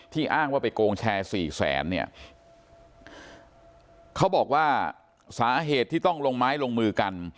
อ้างว่าไปโกงแชร์สี่แสนเนี่ยเขาบอกว่าสาเหตุที่ต้องลงไม้ลงมือกัน